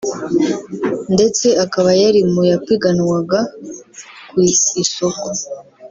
ndetse akaba yari mu yapiganwaga ku isoko